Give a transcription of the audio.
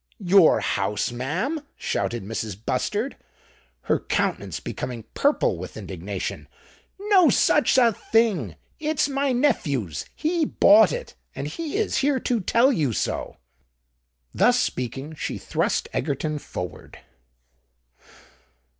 "Your house, ma'am!" shouted Mrs. Bustard, her countenance becoming purple with indignation: "no such a thing! It's my nephew's—he bought it—and he is here to tell you so!" Thus speaking, she thrust Egerton forward.